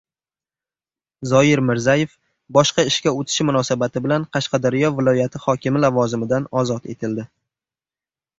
Zoyir Mirzayev boshqa ishga o‘tishi munosabati bilan Qashqadaryo viloyati hokimi lavozimidan ozod etildi.